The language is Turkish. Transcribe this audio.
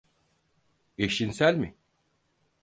Eşcinsel mi?